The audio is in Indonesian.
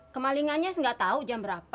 kemalingannya gak tau jam berapa